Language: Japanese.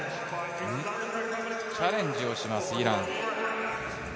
チャレンジをします、イラン。